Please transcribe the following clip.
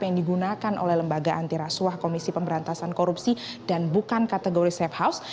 yang digunakan oleh lembaga antirasuah komisi pemberantasan korupsi dan bukan kategori safe house